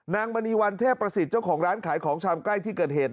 นางบรรยีวันเทพภศิษย์เจ้าของร้านขายของชำใกล้ที่เกิดเหตุ